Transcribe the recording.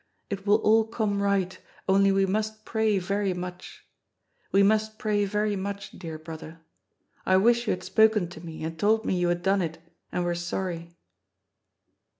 It will all come right, only we must pray very much. We must pray very much, dear brother. I wish you had spoken to me and told me you had done it, and were sorry."